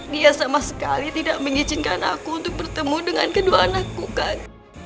dia sama sekali tidak mengizinkan aku untuk bertemu dengan kedua anakku kan